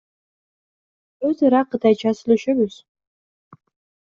Өз ара кытайча сүйлөшөбүз.